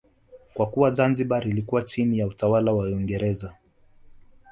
Kwa kuwa Zanzibar ilikuwa chini ya utawala wa Uingereza